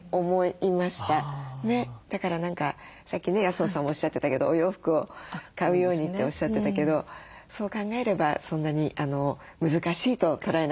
だから何かさっきね安野さんもおっしゃってたけどお洋服を買うようにっておっしゃってたけどそう考えればそんなに難しいと捉えなくていいのかもしれませんね。